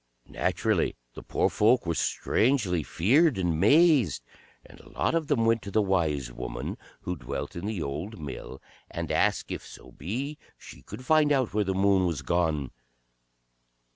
Naturally the poor folk were strangely feared and mazed, and a lot of them went to the Wise Woman who dwelt in the old mill, and asked if so be she could find out where the Moon was gone.